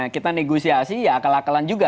kita negosiasi ya akal akalan juga